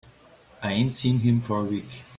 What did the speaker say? I ain't seen him for a week.